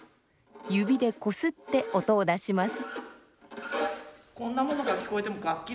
指でこすって音を出します。